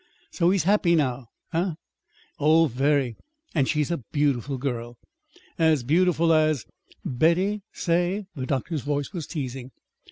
"So he's happy now, eh?" "Oh, very! And she's a beautiful girl." "As beautiful as Betty, say?" The doctor's voice was teasing.